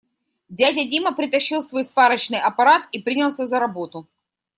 Дядя Дима притащил свой сварочный аппарат и принялся за работу.